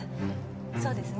そうですね？